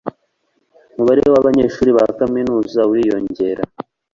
Umubare wabanyeshuri ba kaminuza uriyongera.